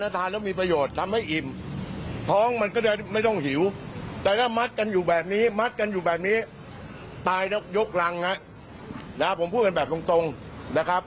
ตายยกรังนะครับผมพูดเป็นแบบตรงนะครับ